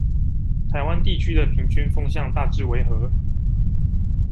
台灣地區的平均風向大致為何？